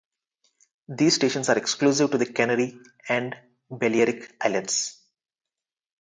These stations are exclusive to the Canary and Balearic Islands.